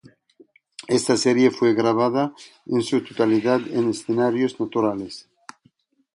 Esta serie fue grabada en su totalidad en escenarios naturales.